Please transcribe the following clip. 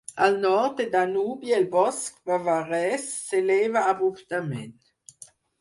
Al nord del Danubi el bosc bavarès s'eleva abruptament.